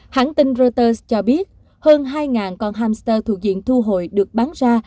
hãng tin reuters cho biết hơn hai con hamster thuộc diện thu hồi được bán ra